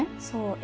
そう。